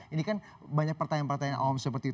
ini kan banyak pertanyaan pertanyaan awam seperti itu